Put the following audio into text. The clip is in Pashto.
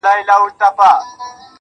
• د وخت مجنون يم ليونى يمه زه.